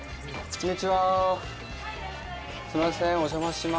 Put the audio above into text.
こんにちは。